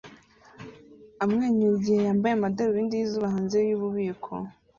amwenyura igihe yambaye amadarubindi yizuba hanze yububiko